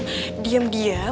diam diam masuk ke perusahaan